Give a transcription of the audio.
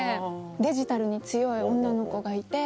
デジタルに強い女の子がいて。